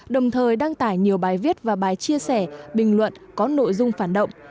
đồng thời đăng tải nhiều bài viết và bài chia sẻ bình luận có nội dung phản động